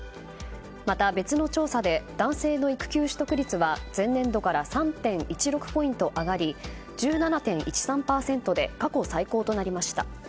また、別の調査で男性の育休取得率は前年度から３．１６ポイント上がり１７．１３％で過去最高となりました。